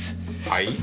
はい？